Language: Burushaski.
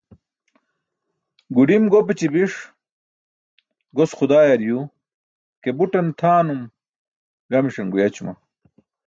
Guḍim gopaći biṣ, gos xudaayar yuu ke but tʰaanum/uyum gamiṣan guyaćuma.